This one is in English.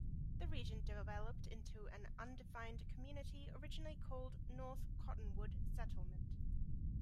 The region developed into an undefined community originally called North Cottonwood Settlement.